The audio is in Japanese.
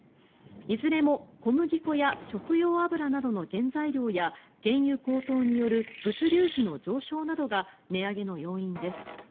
いずれも小麦粉や食用油などの原材料や原油高騰による物流費の上昇などが値上げの要因です。